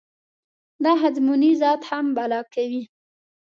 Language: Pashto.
دا ښځمونی ذات هم بلا کوي.